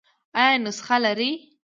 ایا نسخه لرئ؟